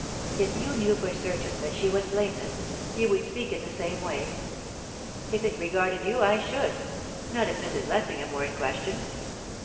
"If you knew for certain that she was blameless, you would speak in the same way?" "If it regarded you, I should. Not if Mrs. Lessingham were in question."